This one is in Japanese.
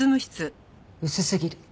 薄すぎる。